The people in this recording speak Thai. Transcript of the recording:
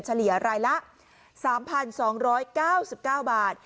เฉลี่ยรายละ๓๒๙๙บาท